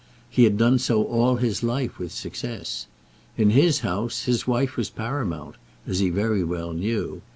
He had done so all his life with success. In his house his wife was paramount, as he very well knew.